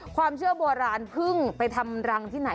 ความเชื่อโบราณเพิ่งไปทำรังที่ไหน